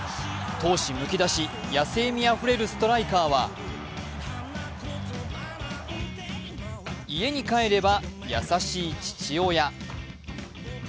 闘志むき出し、野性味あふれるストライカーは家に帰れば、優しい父親。